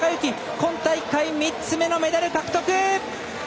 今大会、３つ目のメダル獲得！